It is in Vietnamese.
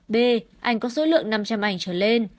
b ảnh có số lượng năm trăm linh ảnh trở lên